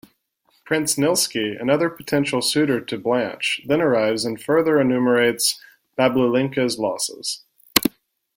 Prince Nilsky, another potential suitor to Blanche, then arrives and further enumerates Babulenka's losses.